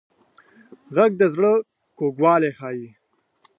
غږ د زړه کوږوالی ښيي